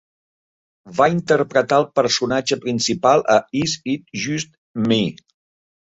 Va interpretar al personatge principal a "Is It Just Me?".